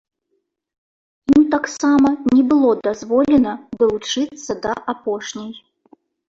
Ім таксама не было дазволена далучыцца да апошняй.